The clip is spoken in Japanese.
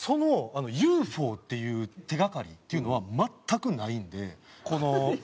そのＵ．Ｆ．Ｏ．っていう手がかりっていうのは全くないんでこの。